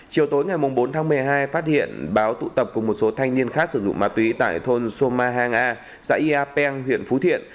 chiều tối ngày bốn tháng một mươi hai phát hiện báo tụ tập của một số thanh niên khác sử dụng mặt túy tại thôn soma hang a xã yia peng huyện phú thiện